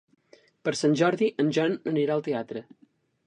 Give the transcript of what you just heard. Per Sant Jordi en Jan anirà al teatre.